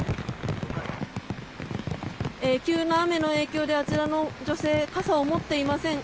急な雨の影響であちらの女性は傘を持っていません。